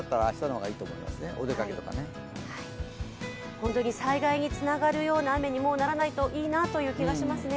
本当に災害につながるような雨にもうならないといいなというような気がしますね。